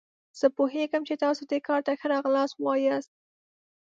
زه پوهیږم چې تاسو دې کار ته ښه راغلاست وایاست.